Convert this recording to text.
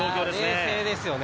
冷静ですよね。